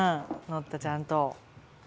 のったちゃんと。